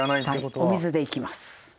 お水でいきます。